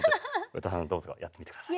詩羽さんどうぞやってみてください。